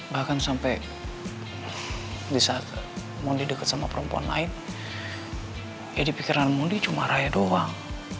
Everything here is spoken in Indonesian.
bahkan sampai di saat mundi deket sama perempuan lain ya dipikirkan mondi cuma raya doang